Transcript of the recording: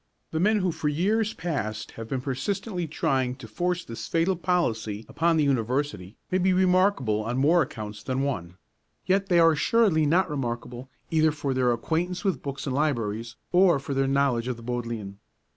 The men who for years past have been persistently trying to force this fatal policy upon the University may be remarkable on more accounts than one; yet they are assuredly not remarkable either for their acquaintance with books and libraries, or for their knowledge of the Bodleian.